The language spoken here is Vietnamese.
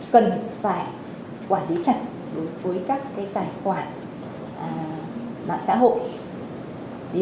cần phải quản lý chặt đối với các tài khoản mạng xã hội